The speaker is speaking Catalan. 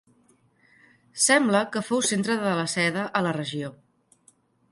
Sembla que fou centre de la seda a la regió.